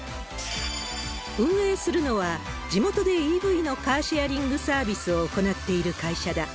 運営するのは、地元でＥＶのカーシェアリングサービスを行っている会社だ。